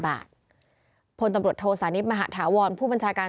จากนั้นก็จะนำมาพักไว้ที่ห้องพลาสติกไปวางเอาไว้ตามจุดนัดต่าง